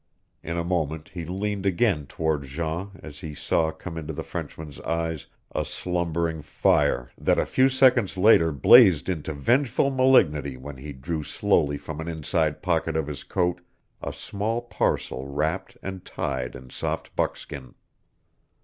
In a moment he leaned again toward Jean as he saw come into the Frenchman's eyes a slumbering fire that a few seconds later blazed into vengeful malignity when he drew slowly from an inside pocket of his coat a small parcel wrapped and tied in soft buckskin.